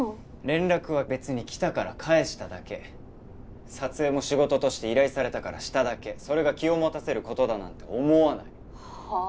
連絡は別に来たから返しただけ撮影も仕事として依頼されたからしただけそれが気を持たせることだなんて思わないはあ！？